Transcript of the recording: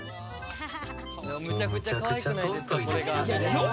もうむちゃくちゃ尊いですよね。